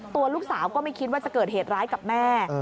ตัวลูกสาวก็ไม่คิดว่าจะเกิดเหตุร้ายกับแม่